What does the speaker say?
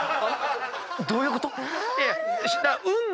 どういうこと？